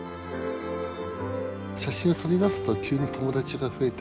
写真を取り出すと急に友達が増えたりとか。